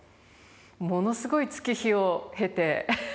ものすごい月日を経て。